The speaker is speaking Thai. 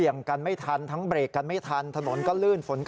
แล้วผมไม่รู้มีบังกัดข้างหน้าด้วย